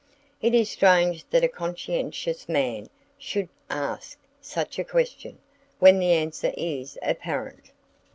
It is strange that a conscientious man should ask such a question, when the answer is apparent.